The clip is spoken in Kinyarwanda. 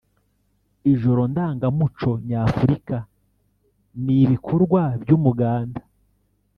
Ijoro ndangamuco nyafurika n’ibikorwa by’Umuganda